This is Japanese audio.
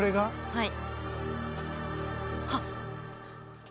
はい。